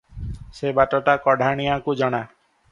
ସେ ବାଟଟା କଢାଣିଆକୁ ଜଣା ।